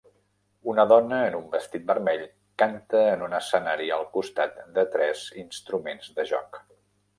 Una dona en un vestit vermell canta en un escenari al costat de tres instruments de joc